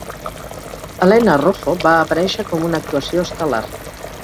Helena Rojo va aparèixer com una actuació estel·lar.